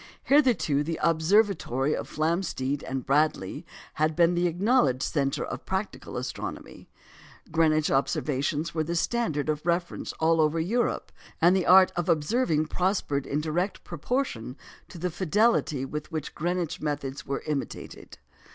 Hitherto the observatory of Flamsteed and Bradley had been the acknowledged centre of practical astronomy; Greenwich observations were the standard of reference all over Europe; and the art of observing prospered in direct proportion to the fidelity with which Greenwich methods were imitated.